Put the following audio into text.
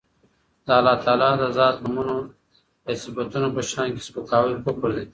د الله تعالی د ذات، نومونو يا صفتونو په شان کي سپکاوی کفر دی.